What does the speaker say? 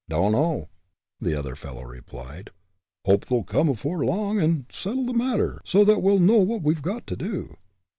"Dunno," the other fellow replied. "Hope they'll come afore long and settle the matter, so that we'll know what we've got to do."